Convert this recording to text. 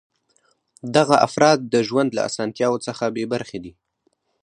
دغه افراد د ژوند له اسانتیاوو څخه بې برخې دي.